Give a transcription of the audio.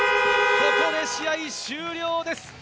ここで試合終了です。